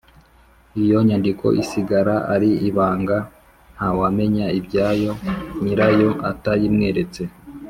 iyo nyandiko isigara ari ibanga ; ntawamenya ibyayo nyirayo atayimweretse.